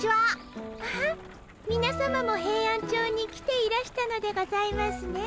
あっみなさまもヘイアンチョウに来ていらしたのでございますね。